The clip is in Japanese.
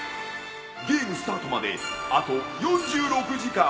ゲームスタートまであと４６時間。